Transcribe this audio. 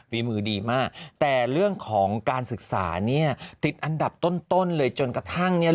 ฝีมือดีมากแต่เรื่องของการศึกษาเนี่ยติดอันดับต้นเลยจนกระทั่งเนี่ย